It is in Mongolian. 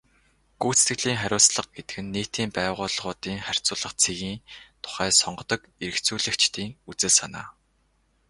Гүйцэтгэлийн хариуцлага гэдэг нь нийтийн байгууллагуудын харьцуулах цэгийн тухай сонгодог эргэцүүлэгчдийн үзэл санаа.